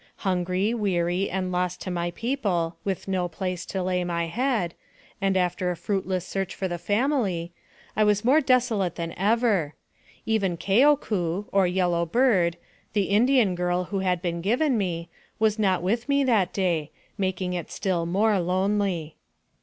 Hungry, weary, and lost to my people, with no place to lay my head, and after a fruit less search for the family, I was more desolate than ever. Even Keoku, or "Yellow Bird," the Indian AMONG THE SIOUX INDIANS. 137 girl who had been given me, was not with me that day, making it still more lonely.